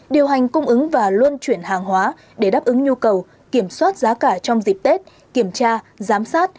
điều hành cung ứng và luân chuyển hàng hóa để đáp ứng nhu cầu kiểm soát giá cả trong dịp tết kiểm tra giám sát